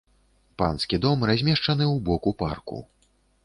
Панскі дом размешчаны ў боку парку.